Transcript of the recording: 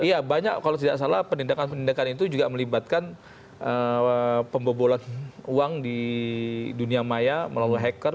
iya banyak kalau tidak salah penindakan penindakan itu juga melibatkan pembobolan uang di dunia maya melalui hacker